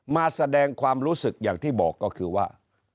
มาแสดงความรู้สึกอย่างที่บอกก็คือว่า